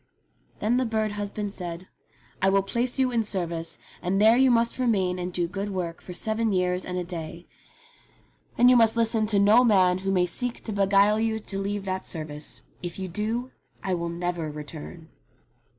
Then the bird husband said, "I will place you in service, and there you must remain and do good work for seven years and a day, and you must listen to no man who may seek to beguile you to leave that service. If you do I will never return."